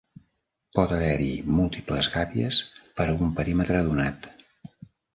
Pot haver-hi múltiples gàbies per a un perímetre donat.